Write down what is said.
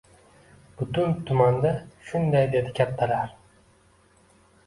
— Butun tumanda shunday, — dedi kattalar.